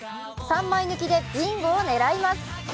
３枚抜きでビンゴを狙います。